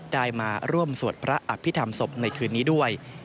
ได้มาร่วมสวดพระอภิษฐรรมศพในคืนนี้ด้วย